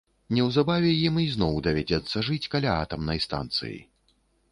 Неўзабаве ім ізноў давядзецца жыць каля атамнай станцыі.